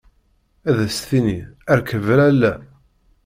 Ad as-tini: Rkeb a Lalla.